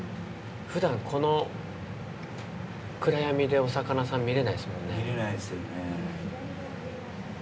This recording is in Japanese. ふだん、この暗闇でお魚さん見れないですもんね。